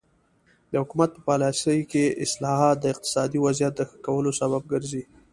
د حکومت په پالیسۍ کې اصلاحات د اقتصادي وضعیت د ښه کولو سبب ګرځي.